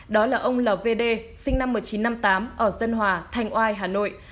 đó là ông l v d sinh năm một nghìn chín trăm năm mươi tám ở dân hòa thành oai hà nội